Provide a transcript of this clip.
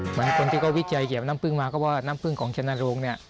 เหมือนคนที่ก็วิจัยเกี่ยวน้ำผึ้งมาก็ว่าน้ำผึ้งของชนโรง